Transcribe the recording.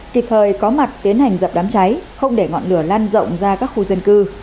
kịp thời có mặt tiến hành dập đám cháy không để ngọn lửa lan rộng ra các khu dân cư